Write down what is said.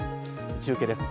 中継です。